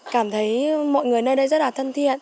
cảm thấy mọi người nơi đây rất là thân thiện